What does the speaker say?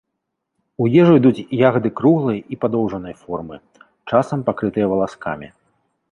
У ежу ідуць ягады круглай ці падоўжанай формы, часам пакрытыя валаскамі.